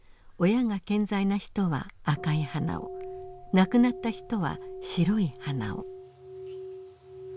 親が健在な人は赤い花を亡くなった人は白い花を。